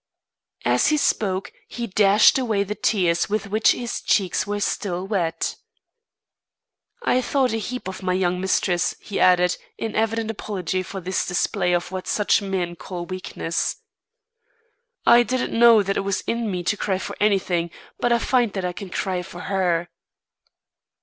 As he spoke, he dashed away the tears with which his cheeks were still wet. "I thought a heap of my young mistress," he added, in evident apology for this display of what such men call weakness. "I didn't know that it was in me to cry for anything, but I find that I can cry for her."